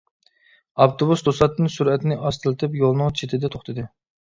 ئاپتوبۇس توساتتىن سۈرئەتنى ئاستىلىتىپ يولنىڭ چېتىدە توختىدى.